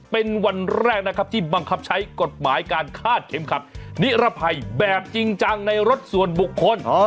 เป็นวันแรกนะครับที่บังคับใช้กฎหมายการคาดเข็มขัดนิรภัยแบบจริงจังในรถส่วนบุคคล